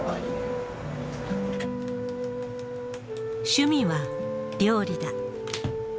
趣味は料理だ。